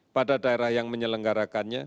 pada daerah yang menyelenggarakannya